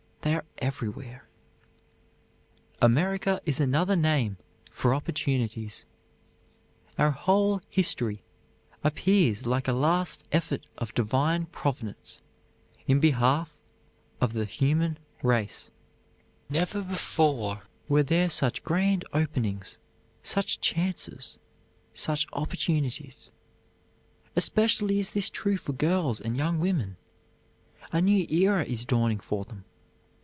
They are everywhere. "America is another name for opportunities. Our whole history appears like a last effort of divine Providence in behalf of the human race." Never before were there such grand openings, such chances, such opportunities. Especially is this true for girls and young women. A new era is dawning for them.